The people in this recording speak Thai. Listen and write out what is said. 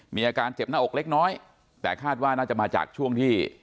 มีอาการเจ็บหน้าอกเล็กน้อยแต่คาดว่าน่าจะมาจากช่วงที่